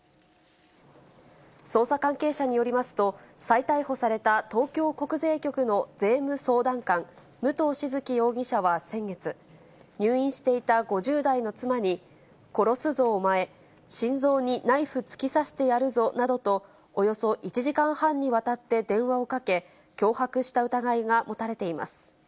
捜査関係者によりますと、再逮捕された東京国税局の税務相談官、武藤静城容疑者は先月、入院していた５０代の妻に、殺すぞお前、心臓にナイフ突き刺してやるぞなどと、およそ１時間半にわたって電話をかけ、脅迫した疑いが持たれています。